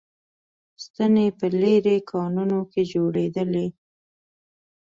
ستنې په لېرې کانونو کې جوړېدلې